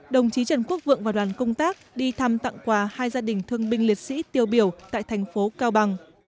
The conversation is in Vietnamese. đồng chí trần quốc vượng và đoàn công tác đi thăm tặng quà hai gia đình thương binh liệt sĩ tiêu biểu tại thành phố cao bằng